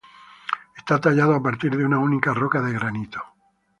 Está tallado a partir de una única roca de granito.